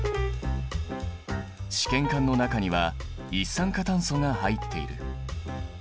試験管の中には一酸化炭素が入っている。